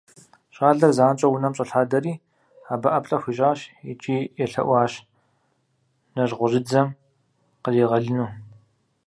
ЩӀалэр занщӀэу унэм щӀэлъадэри абы ӀэплӀэ хуищӀащ икӀи елъэӀуащ нэжьгъущӀыдзэм къригъэлыну.